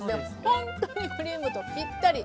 ほんとにクリームとぴったり！